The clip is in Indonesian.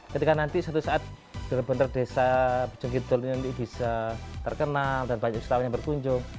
ketika nanti suatu saat desa pujon kidul ini bisa terkenal dan banyak selawanya berkunjung